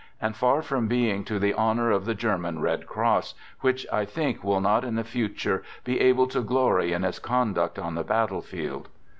and far from being! to the honor of the German Red Cross which, I: think, will not in the future be able to glory in its \ conduct on the battlefield.